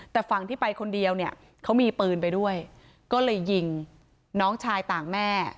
แต่ฝั่งที่ไปคนเดียวเนี่ยเขามีปืนไปด้วยก็เลยยิงน้องชายต่างแม่